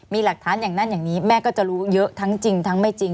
มีหลักฐานอย่างนั้นอย่างนี้แม่ก็จะรู้เยอะทั้งจริงทั้งไม่จริง